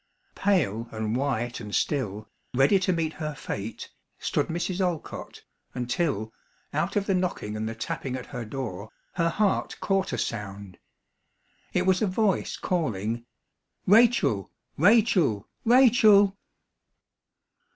Pale and white and still, ready to meet her fate, stood Mrs. Olcott, until, out of the knocking and the tapping at her door, her heart caught a sound. It was a voice calling, "Rachel! Rachel! Rachel!"